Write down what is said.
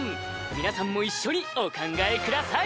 皆さんも一緒にお考えください